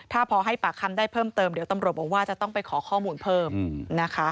ถ้าพอให้ปากคำได้เพิ่มเติมเดี๋ยวตำรวจบอกว่าจะต้องไปขอข้อมูลเพิ่มนะคะ